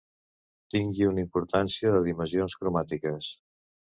Tingui una importància de dimensions cromàtiques.